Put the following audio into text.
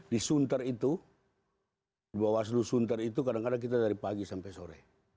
di sunter itu bawaslu sunter itu kadang kadang kita dari pagi sampai sore